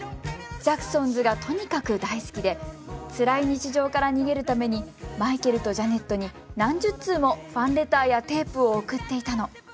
ジャクソンズがとにかく大好きでつらい日常から逃げるためにマイケルとジャネットに何十通もファンレターやテープを送っていたの。